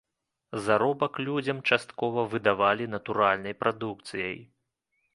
Заробак людзям часткова выдавалі натуральнай прадукцыяй.